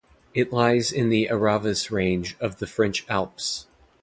It lies in the Aravis Range of the French Alps.